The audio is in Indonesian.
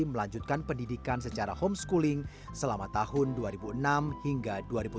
melanjutkan pendidikan secara homeschooling selama tahun dua ribu enam hingga dua ribu tujuh